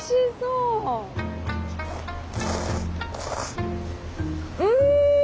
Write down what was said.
うん！